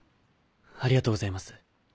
ありがとうございます。